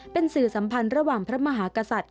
เป็นสื่อสัมพันธ์ระหว่างพระมหากษัตริย์